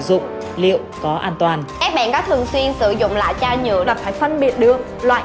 dụng liệu có an toàn các bạn có thường xuyên sử dụng lại cha nhựa là phải phân biệt được loại